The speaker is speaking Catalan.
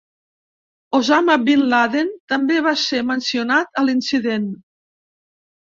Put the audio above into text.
Osama Bin Laden també va ser mencionat a l'incident.